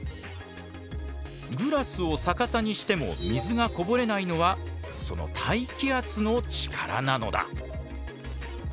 グラスを逆さにしても水がこぼれないのはその大気圧の力なのだ。